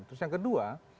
terus yang kedua